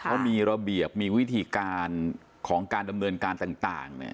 เขามีระเบียบมีวิธีการของการดำเนินการต่าง